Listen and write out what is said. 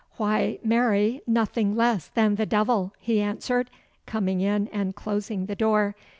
'Why, marry, nothing less than the Devil,' he answered, coming in and closing the door.